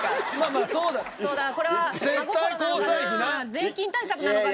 税金対策なのかな？